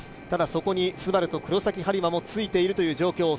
ただ、そこにＳＵＢＡＲＵと黒崎播磨もついているという状況。